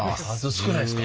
少ないですか。